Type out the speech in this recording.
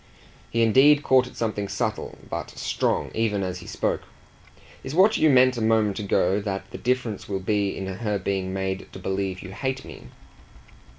He indeed caught at something subtle but strong even as he spoke. "Is what you meant a moment ago that the difference will be in her being made to believe you hate me?"